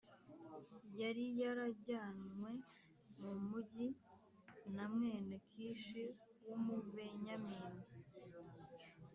Yari yarajyanywe mu mujyi na mwene Kishi w’Umubenyamini